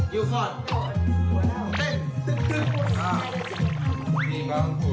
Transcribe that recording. ยูฟอร์น